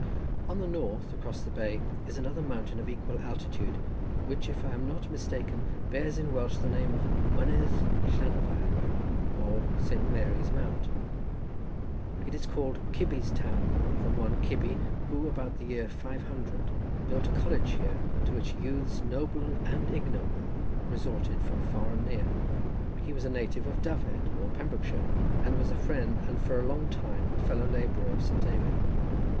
On the north, across the bay, is another mountain of equal altitude, which, if I am not mistaken, bears in Welsh the name of Mynydd Llanfair, or Saint Mary's Mount. It is called Cybi's town from one Cybi, who, about the year 500, built a college here, to which youths, noble and ignoble, resorted from far and near. He was a native of Dyfed, or Pembrokeshire, and was a friend, and for a long time a fellow labourer, of Saint David.